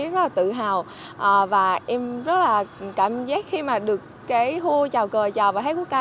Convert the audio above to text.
em cảm xúc rất là tự hào và em rất là cảm giác khi mà được cái hô chào cờ chào vào hết quốc ca